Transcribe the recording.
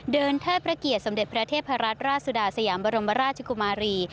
เทิดพระเกียรติสมเด็จพระเทพรัตนราชสุดาสยามบรมราชกุมารี